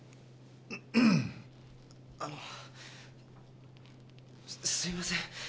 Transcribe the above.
あのすいません。